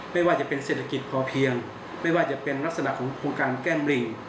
ไม่ว่าจะเป็นเศรษฐกิจพอเพียงไม่ว่าจะเป็นลักษณะของโครงการแก้มริ่ง